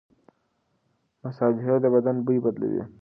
مصالحې بدن بوی بدلوي.